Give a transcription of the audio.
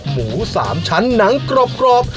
หมูสามชั้นน้ำกรอบ